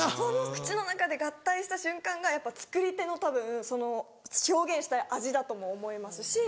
口の中で合体した瞬間がやっぱ作り手のたぶんその表現したい味だとも思いますし。